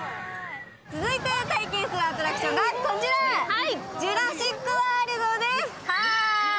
続いて体験するアトラクションがこちら、「ジュラシック・ワールド」です。